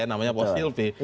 namanya po' sylvie